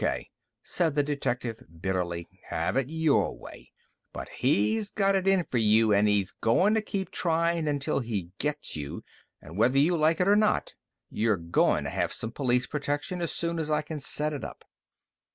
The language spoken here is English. K.!" said the detective bitterly. "Have it your way! But he's got it in for you an' he's goin' to keep tryin' until he gets you! An' whether you like it or not, you're goin' to have some police protection as soon as I can set it up."